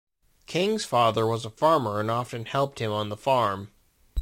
King's father was a farmer and often helped him on the farm.